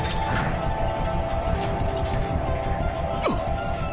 あっ！